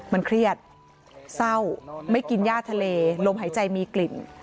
มันเครียดเศร้าไม่กินย่าทะเลลมหายใจมีกลิ่น